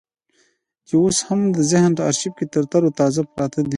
چې اوس مې هم د ذهن په ارشيف کې ترو تازه پرته ده.